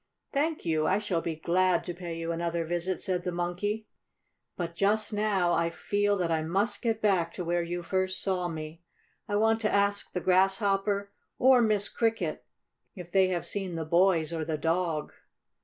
"Thank you, I shall be glad to pay you another visit," said the Monkey. "But just now I feel that I must get back to where you first saw me. I want to ask the Grasshopper or Miss Cricket if they have seen the boys or the dog."